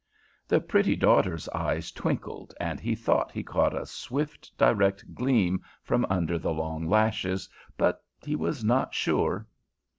The pretty daughter's eyes twinkled, and he thought he caught a swift, direct gleam from under the long lashes—but he was not sure.